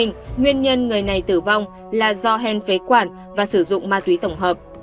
nguyên nhân người này tử vong là do hen phế quản và sử dụng ma túy tổng hợp